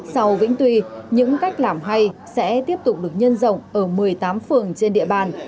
sau vĩnh tuy những cách làm hay sẽ tiếp tục được nhân rộng ở một mươi tám phường trên địa bàn